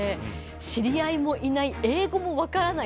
知り合いもいない英語も分からない